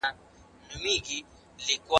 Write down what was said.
زه یې پروانه غوندي پانوس ته پیدا کړی یم